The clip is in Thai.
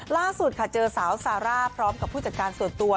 ล่าสุดค่ะเจอสาวซาร่าพร้อมกับผู้จัดการส่วนตัว